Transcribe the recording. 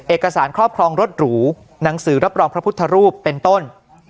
ครอบครองรถหรูหนังสือรับรองพระพุทธรูปเป็นต้น